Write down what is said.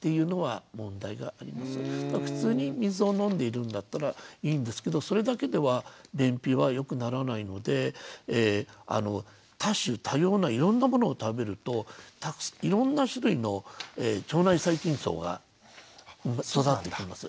普通に水を飲んでいるんだったらいいんですけどそれだけでは便秘はよくならないので多種多様ないろんなものを食べるといろんな種類の腸内細菌叢が育ってきます。